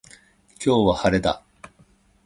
今日は晴れだ。